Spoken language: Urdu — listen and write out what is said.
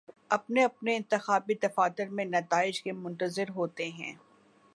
اپنے اپنے انتخابی دفاتر میں نتائج کے منتظر ہوتے ہیں